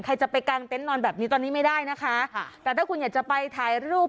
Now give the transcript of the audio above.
ใครจะไปกางเต็นต์นอนแบบนี้ตอนนี้ไม่ได้นะคะค่ะแต่ถ้าคุณอยากจะไปถ่ายรูป